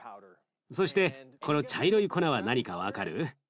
そしてこの茶色い粉は何か分かる？